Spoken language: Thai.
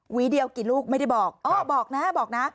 หวีเดียวกี่ลูกไม่ได้บอก